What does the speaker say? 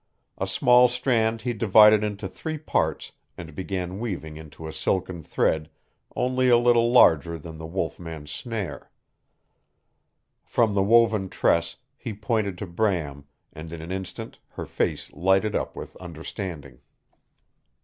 A small strand he divided into three parts and began weaving into a silken thread only a little larger than the wolf man's snare. From, the woven tress he pointed to Bram and in an instant her face lighted up with understanding.